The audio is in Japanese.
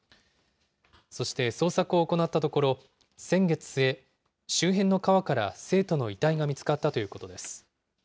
そして、捜索を行ったところ、先月末、周辺の川から生徒の遺体が見つかったということです。